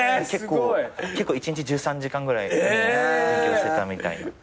１日１３時間ぐらい勉強してたみたいな。